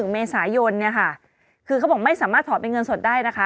เมษายนเนี่ยค่ะคือเขาบอกไม่สามารถถอนเป็นเงินสดได้นะคะ